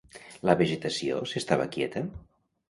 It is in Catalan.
La vegetació s'estava quieta?